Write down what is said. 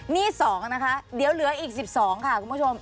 นี่๒นะคะเดี๋ยวเหลืออีก๑๒ค่ะคุณผู้ชม